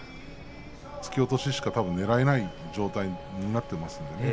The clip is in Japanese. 突き落とししか狙えない状態になってますね。